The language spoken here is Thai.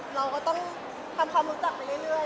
เราก็ต้องทำความรู้จักไปเรื่อย